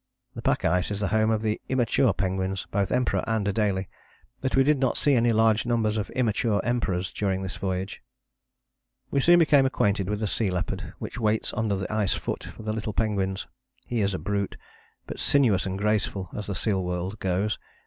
The pack ice is the home of the immature penguins, both Emperor and Adélie. But we did not see any large numbers of immature Emperors during this voyage. We soon became acquainted with the sea leopard, which waits under the ice foot for the little penguins; he is a brute, but sinuous and graceful as the seal world goes.